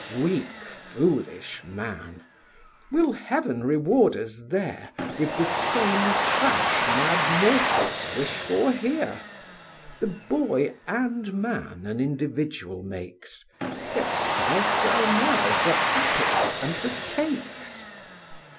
Weak, foolish man! will heaven reward us there With the same trash mad mortals wish for here? The boy and man an individual makes, Yet sighest thou now for apples and for cakes?